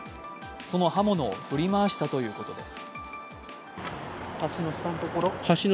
その刃物を振り回したということです。